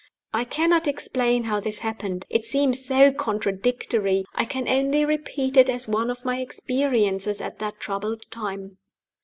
I cannot explain how this happened (it seems so contradictory); I can only repeat it as one of my experiences at that troubled time.